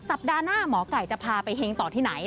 สัปดาห์หน้าหมอไก่จะพาไปเฮงต่อที่ไหน